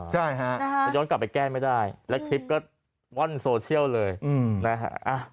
ใช่ฮะจะย้อนกลับไปแก้ไม่ได้และคลิปก็ว่อนโซเชียลเลยนะฮะ